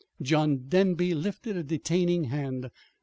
John Denby lifted a detaining hand.